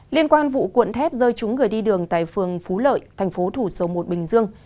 liên quan vụ cuộn thép rơi chúng gửi đi đường tại phường phú lợi thành phố thủ sâu một bình dương